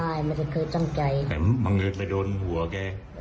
แต่ไม่ได้เคยตั้งใจหนึ่งก็โดนหัวแก